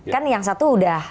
kan yang satu udah